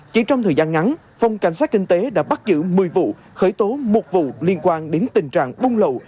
chỉ trong thời gian ngắn phòng cảnh sát kinh tế đã bắt giữ một mươi vụ khởi tố một vụ liên quan đến tình trạng buôn lậu